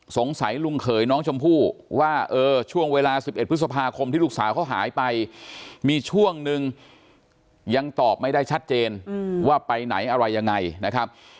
สงสัยลุงเขยน้องชมพู่ว่าเออช่วงเวลา๑๑พฤษภาคมที่ลูกสาวเขาหายไปมีช่วงนึงยังตอบไม่ได้ชัดเจนว่าไปไหนอะไรยังไงนะครับ